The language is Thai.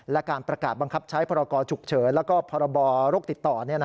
และการประกาศบังคับใช้พรกรฉุกเฉินและพรบโรคติดต่อ